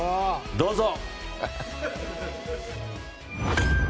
どうぞ！